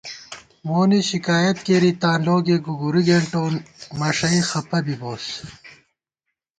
مونی شکایَت کېری تاں لوگے گُوگُوری گېنٹَوون، مݭَئی خپہ بی بوئیس